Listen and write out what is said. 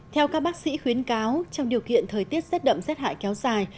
theo các bác sĩ khuyến cáo trong điều kiện thời tiết rất đậm rất hại kéo dài